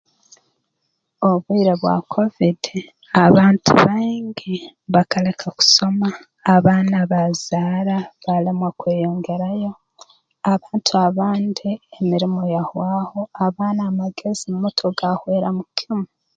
Obwire bwa kovidi abantu baingi bakaleka kusoma abaana baazara balemwa kweyongerayo abantu abandi emirimo yahwaho abaana amagezi mu mutwe gaahweramu kimu